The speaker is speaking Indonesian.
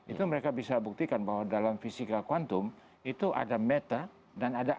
itu mereka bisa buktikan bahwa dalam fisika kuantum itu ada meta dan ada